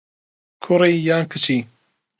کوڕی یان کچی؟